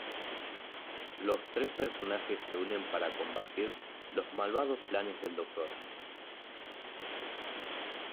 Los tres personajes se unen para combatir los malvados planes del doctor.